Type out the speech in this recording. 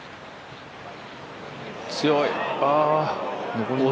強い。